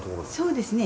そうですね